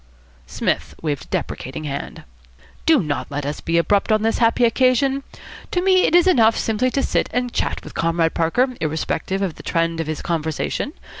Psmith waved a deprecating hand. "Do not let us be abrupt on this happy occasion. To me it is enough simply to sit and chat with Comrade Parker, irrespective of the trend of his conversation.